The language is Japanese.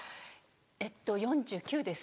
えっと４９です。